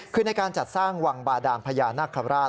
คือในการจัดสร้างวังบาดานพญานาคาราช